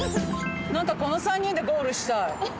何かこの３人でゴールしたい。